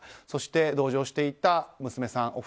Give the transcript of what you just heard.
そして、同乗していた娘さん